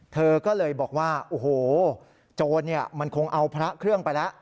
เธอก็เลยบอกว่าโอ้โหโจรมันคงเอาพระเครื่องไปแล้ว